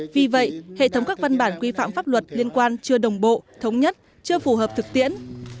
vì vậy hệ thống các văn bản quy phạm pháp luật liên quan chưa đồng bộ thống nhất chưa phù hợp thực tiễn